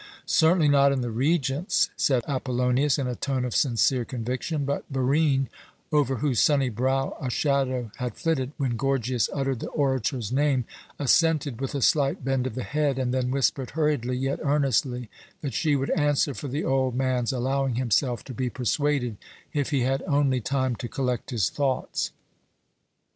"Certainly not in the Regent's," said Apollonius, in a tone of sincere conviction; but Barine, over whose sunny brow a shadow had flitted when Gorgias uttered the orator's name, assented with a slight bend of the head, and then whispered hurriedly, yet earnestly, that she would answer for the old man's allowing himself to be persuaded, if he had only time to collect his thoughts.